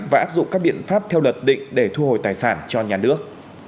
và áp dụng các biện pháp theo luật định để thu hồi tài sản cho nhà nước